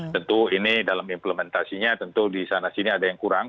tentu ini dalam implementasinya tentu di sana sini ada yang kurang